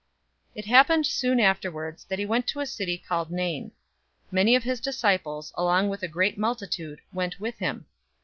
007:011 It happened soon afterwards, that he went to a city called Nain. Many of his disciples, along with a great multitude, went with him.